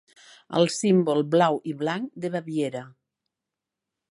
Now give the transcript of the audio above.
El símbol blau i blanc de Baviera.